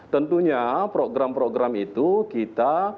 tentunya program program itu kita